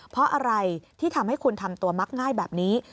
เพราะอะไรที่ทำให้คุณทำตัวมักง่ายแบบนี้